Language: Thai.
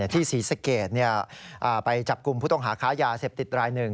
ศรีสเกตไปจับกลุ่มผู้ต้องหาค้ายาเสพติดรายหนึ่ง